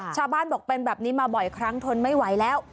ชาวบ้านบอกเป็นแบบนี้มาบ่อยครั้งทนไม่ไหวแล้ว